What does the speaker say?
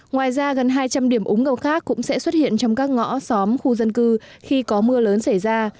ngoài ra gần hai trăm linh điểm úng ngập khác cũng sẽ xuất hiện trong các ngõ xóm khu dân cư khi có mưa lớn xảy ra